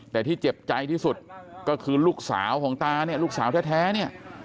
แต่ที่เจ็บใจที่สุดก็คือลูกสาวของตาเนี่ยลูกสาวแท้เนี่ย